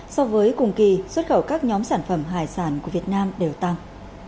so với cùng kỳ xuất khẩu các nhóm sản phẩm hải sản của việt nam đều tăng